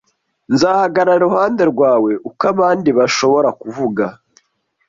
Nzahagarara iruhande rwawe uko abandi bashobora kuvuga.